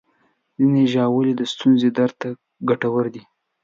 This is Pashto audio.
ځینې ژاولې د ستوني درد ته ګټورې دي.